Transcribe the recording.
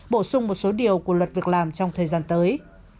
bổ sung một số điều của luật việc làm trong thời gian tới